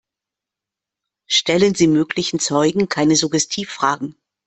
Stellen Sie möglichen Zeugen keine Suggestivfragen.